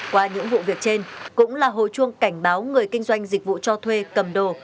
qua những vụ việc trên cũng là hồi chuông cảnh báo người kinh doanh dịch vụ cho thuê cầm đồ